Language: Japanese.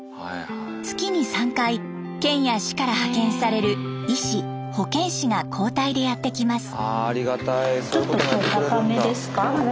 月に３回県や市から派遣される医師保健師が交代でやって来ます。